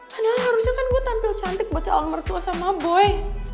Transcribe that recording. padahal harusnya kan gue tampil cantik baca al mertua sama boy